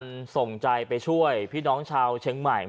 มันส่งใจไปช่วยพี่น้องชาวเชียงใหม่